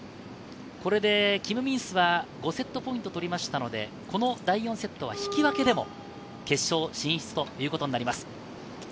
キム・ミンスは５セットポイント取りましたので、この第４セットは引き分けでも決勝進出ということになります。